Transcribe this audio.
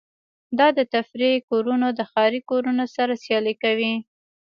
دا د تفریح کورونه د ښاري کورونو سره سیالي کوي